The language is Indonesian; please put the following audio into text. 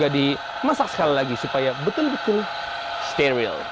dia pasti agak kering ya